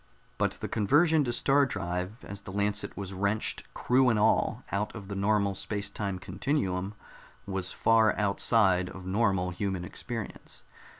But the conversion to star drive, as the Lancet was wrenched, crew and all, out of the normal space time continuum, was far outside of normal human experience.